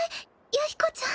弥彦ちゃん。